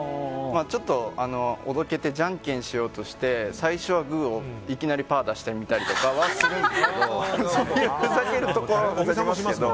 ちょっとおどけてじゃんけんしようとして最初はグーを、いきなりパーを出してみたりとかはするんですけど。